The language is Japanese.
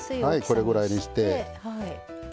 これぐらいにして。